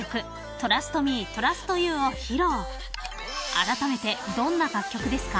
［あらためてどんな楽曲ですか？］